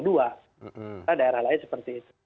daerah lain seperti itu